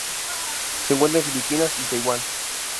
Se encuentra en Filipinas y Taiwán.